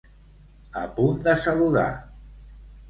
A punt de saludar.